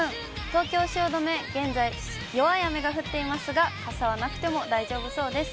東京・汐留、現在、弱い雨が降っていますが、傘はなくても大丈夫そうです。